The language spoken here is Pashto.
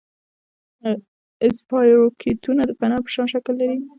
اسپایروکیټونه د فنر په شان شکل لري.